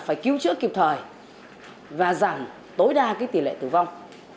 phải cứu chữa kịp thời và giảm tối đa tỷ lệ tử vong